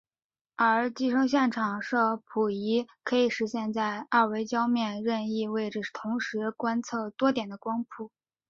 而集成视场摄谱仪可以实现在二维焦面任意位置同时观测多点的光谱。